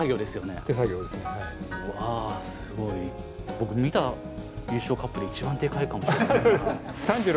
僕見た優勝カップで一番でかいかもしれない。